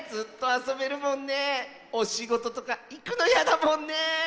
おしごととかいくのやだもんね。